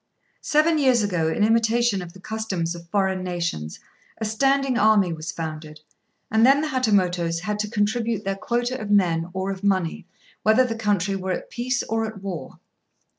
Seven years ago, in imitation of the customs of foreign nations, a standing army was founded; and then the Hatamotos had to contribute their quota of men or of money, whether the country were at peace or at war.